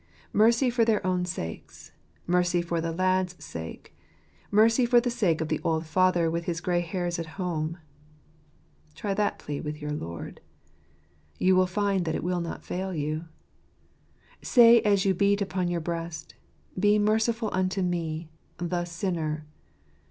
Mercy for their own sakes ! mercy for the lad's sake ! mercy for the sake of the old father with his grey hairs at home ! Try that plea with your Lord. You will find that it will not fail you. Say, as you beat upon your breast, " Be merciful unto me, the sinner